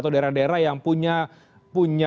atau daerah daerah yang punya